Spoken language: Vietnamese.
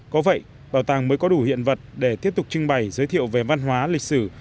có vậy bảo tàng mới có đủ hiện vật để tiếp tục trưng bày giới thiệu về văn hóa lịch sử